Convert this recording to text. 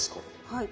はい。